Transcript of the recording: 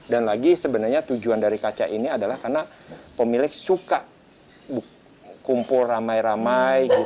dan lagi sebenarnya tujuan dari kaca ini adalah karena pemilik suka kumpul ramai ramai